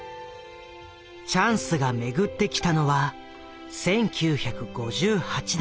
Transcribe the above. チャンスが巡ってきたのは１９５８年。